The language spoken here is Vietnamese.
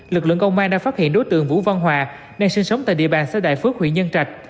lực lượng công an đã phát hiện đối tượng vũ văn hòa đang sinh sống tại địa bàn xã đại phước huyện nhân trạch